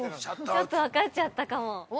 ◆ちょっと分かっちゃったかも。